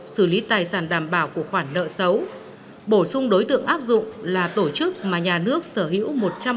xử lý tài sản đảm bảo của khoản nợ xấu bổ sung đối tượng áp dụng là tổ chức mà nhà nước sở hữu